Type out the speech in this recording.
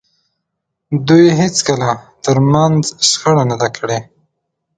دوی هېڅکله تر منځ شخړه نه ده کړې.